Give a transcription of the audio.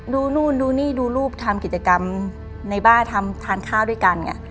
ดูนู่นดูนี่ดูรูปทำกิจกรรมในบ้านทำทานข้าวด้วยกันไง